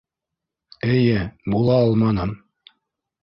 Эйе, була алманым.